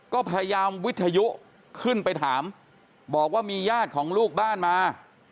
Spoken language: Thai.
ก็พยายามวิทยุขึ้นไปถามบอกว่ามีญาติของลูกบ้านมา